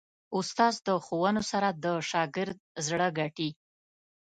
استاد د ښوونو سره د شاګرد زړه ګټي.